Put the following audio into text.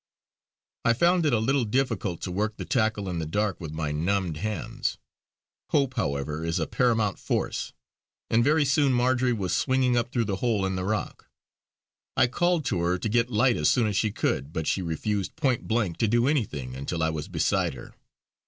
I found it a little difficult to work the tackle in the dark with my numbed hands. Hope, however, is a paramount force, and very soon Marjory was swinging up through the hole in the rock. I called to her to get light as soon as she could; but she refused point blank to do anything until I was beside her.